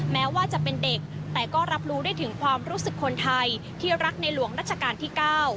แม้ว่าจะเป็นเด็กแต่ก็รับรู้ได้ถึงความรู้สึกคนไทยที่รักในหลวงรัชกาลที่๙